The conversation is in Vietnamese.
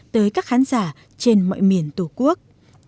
tới các khán giả trên mọi miền tổ quốc